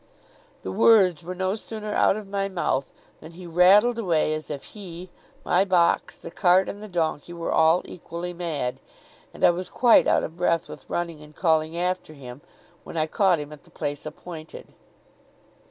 The words were no sooner out of my mouth, than he rattled away as if he, my box, the cart, and the donkey, were all equally mad; and I was quite out of breath with running and calling after him, when I caught him at the place appointed.